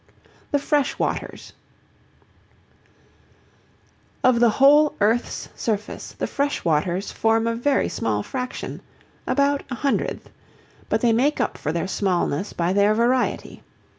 THE FRESH WATERS Of the whole earth's surface the freshwaters form a very small fraction, about a hundredth, but they make up for their smallness by their variety.